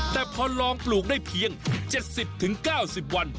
แต่พอลองปลูกได้เพียง๗๐๙๐วัน